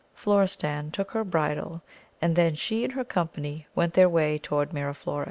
Florestan took her bridle, and then she and her company went their way toward Miraflores.